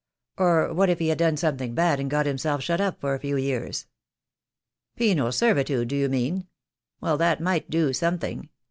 "Or what if he had done something bad and got himself shut up for a few years?" "Penal servitude do you mean? Well, that might do something